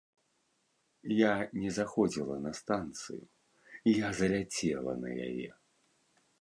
Я не заходзіла на станцыю, я заляцела на яе.